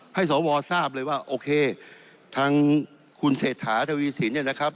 ให้สวทราบเลยว่าโอเคทางคุณเศรษฐาทวีสินเนี่ยนะครับ